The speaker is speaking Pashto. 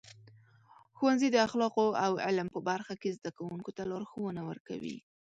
ښوونځي د اخلاقو او علم په برخه کې زده کوونکو ته لارښونه ورکوي.